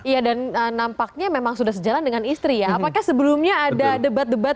ya dan nampaknya memang sudah sejalan dengan istri ya apakah sebelumnya ada debat debat